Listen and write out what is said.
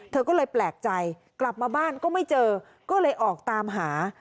เธอก็เลยแปลกใจกลับมาบ้านก็ไม่เจอก็เลยออกตามหา